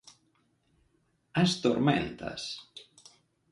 As tormentas.